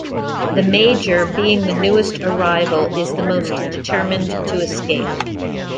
The major, being the newest arrival, is the most determined to escape.